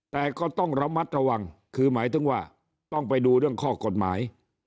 แต่ก็ต้องระมัดระวังคือหมายถึงว่าต้องไปดูเรื่องข้อกฎหมาย